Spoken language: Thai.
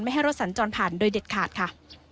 ให้รถสัญจรผ่านโดยเด็ดขาดค่ะ